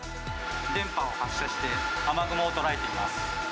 電波を発射して雨雲を捉えています。